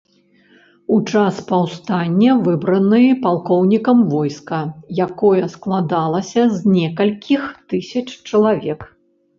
У час паўстання выбраны палкоўнікам войска, якое складалася з некалькіх тысяч чалавек.